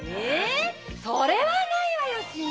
それはないわよ。